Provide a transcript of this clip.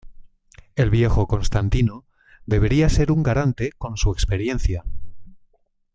El viejo Constantino debería ser un garante con su experiencia.